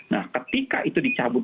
nah ketika itu dicabut